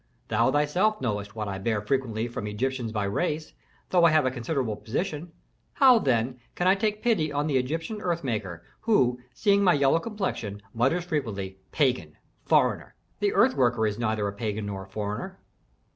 Thou thyself knowest what I bear frequently from Egyptians by race, though I have a considerable position. How, then, can I take pity on the Egyptian earth worker, who, seeing my yellow complexion, mutters frequently, 'Pagan! foreigner!' The earth worker is neither a pagan nor a foreigner."